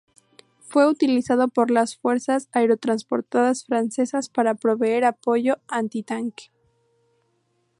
Fue utilizado por las fuerzas aerotransportadas francesas para proveer apoyo antitanque.